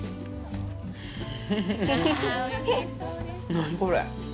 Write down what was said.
何、これ！？